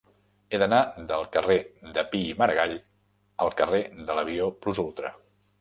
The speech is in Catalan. He d'anar del carrer de Pi i Margall al carrer de l'Avió Plus Ultra.